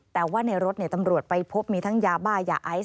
แต่ว่าในรถตำรวจไปพบมีทั้งยาบ้ายาไอซ